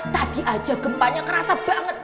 tadi aja gempanya kerasa banget